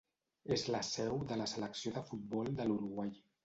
És la seu de la Selecció de futbol de l'Uruguai.